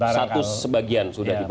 satu sebagian sudah dibangun